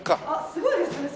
すごいですね